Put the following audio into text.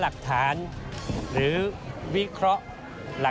ส่วนต่างกระโบนการ